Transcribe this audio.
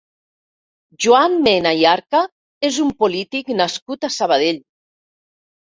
Joan Mena i Arca és un polític nascut a Sabadell.